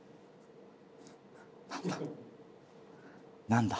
何だ。